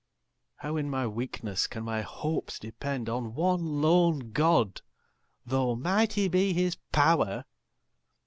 How in my weakness can my hopes depend On one lone God, though mighty be his pow'r?